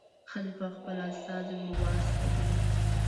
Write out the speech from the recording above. خلیفه خپل استازی ور واستاوه.